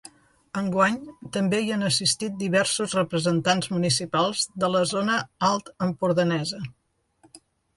Enguany també hi han assistit diversos representants municipals de la zona alt-empordanesa.